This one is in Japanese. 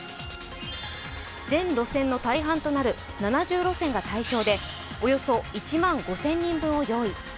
全路線の大半となる７０路線が対象手およそ１万５０００人分を用意。